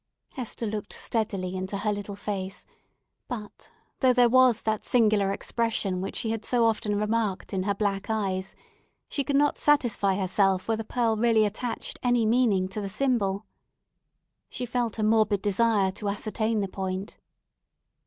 Hester looked steadily into her little face; but though there was that singular expression which she had so often remarked in her black eyes, she could not satisfy herself whether Pearl really attached any meaning to the symbol. She felt a morbid desire to ascertain the point.